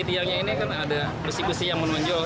di tiangnya ini kan ada besi besi yang menonjol